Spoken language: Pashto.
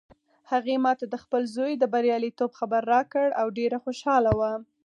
هغې ما ته د خپل زوی د بریالیتوب خبر راکړ او ډېره خوشحاله وه